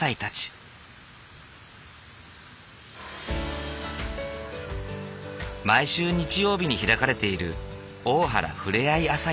毎週日曜日に開かれている大原ふれあい朝市。